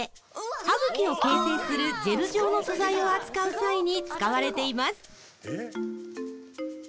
歯茎を形成するジェル状の素材を扱う際に使われています